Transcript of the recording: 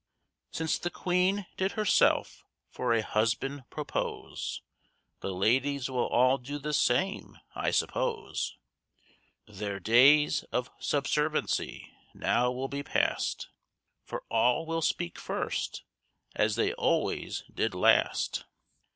Since the Queen did herself for a husband "propose," The ladies will all do the same, I suppose; Their days of subserviency now will be past, For all will "speak first" as they always did last!